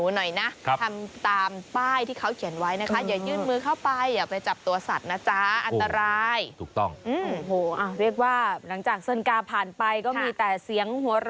ชิมแต่แกงไม่กินข้าวใช่ไหมฮึ่นปินกลับอย่างเดี๋ยว